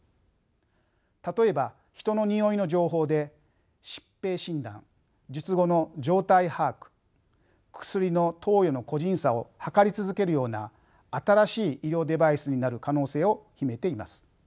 例えば人のにおいの情報で疾病診断術後の状態把握薬の投与の個人差を測り続けるような新しい医療デバイスになる可能性を秘めています。